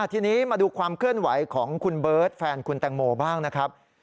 ทีนี้มาดูความเคลื่อนไหวของคุณเบิร์ตแฟนคุณแตงโมบ้างนะครับ